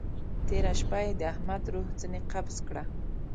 تېره شپه يې د احمد روح ځينې قبض کړه.